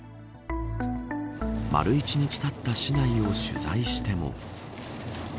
丸１日たった市内を取材しても。